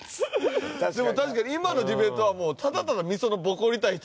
でも確かに今のディベートはただただｍｉｓｏｎｏボコりたい人。